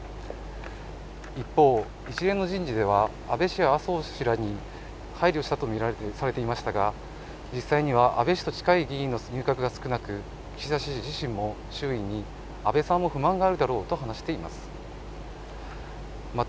一方一連の人事では安倍氏麻生氏らに配慮したと見られているされていましたが実際には安倍氏と近い議員の入閣が少なく岸田氏自身も周囲に安倍さんも不満があるだろうと話しています